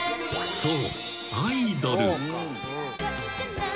［そう。